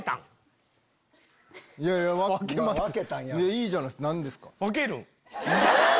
いいじゃないっすか何ですか？